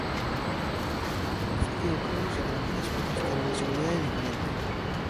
Ao fin e ao cabo, se traballas, podes ter unha seguridade diferente.